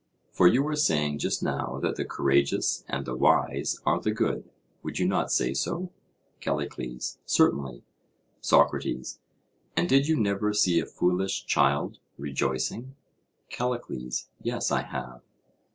For you were saying just now that the courageous and the wise are the good—would you not say so? CALLICLES: Certainly. SOCRATES: And did you never see a foolish child rejoicing? CALLICLES: Yes, I have.